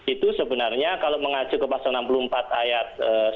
itu sebenarnya kalau mengacu ke pasal enam puluh empat ayat satu